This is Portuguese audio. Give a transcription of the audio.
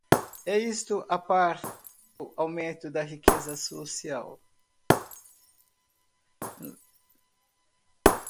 e isto a par do aumento da riqueza social